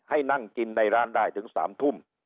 ให้นั่งกินในร้านได้ถึง๓ทุ่ม